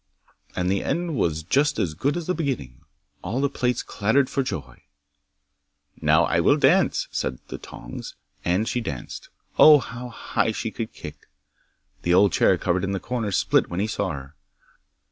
'And the end was just as good as the beginning. All the plates clattered for joy. '"Now I will dance," said the tongs, and she danced. Oh! how high she could kick! 'The old chair cover in the corner split when he saw her.